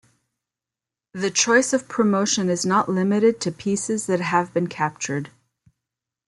The choice of promotion is not limited to pieces that have been captured.